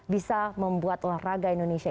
bisa membuat olahraga indonesia